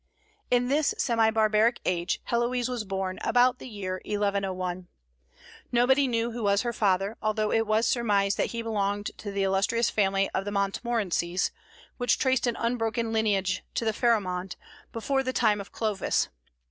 In this semi barbaric age Héloïse was born, about the year 1101. Nobody knew who was her father, although it was surmised that he belonged to the illustrious family of the Montmorencies, which traced an unbroken lineage to Pharimond, before the time of Clovis.